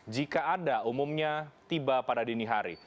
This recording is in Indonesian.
jika anda umumnya tiba pada dini hari